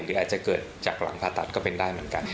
หรืออาจจะเกิดจากหลังผ่าตัดก็เป็นได้เหมือนกัน